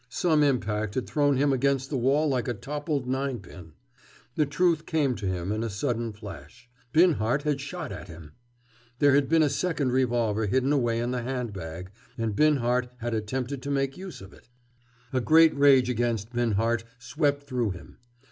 Some impact had thrown him against the wall like a toppled nine pin. The truth came to him, in a sudden flash; Binhart had shot at him. There had been a second revolver hidden away in the hand bag, and Binhart had attempted to make use of it. A great rage against Binhart swept through him.